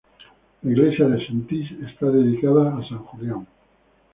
La iglesia de Sentís está dedicada a San Julián.